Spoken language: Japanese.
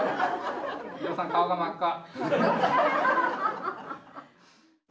伊藤さん顔が真っ赤。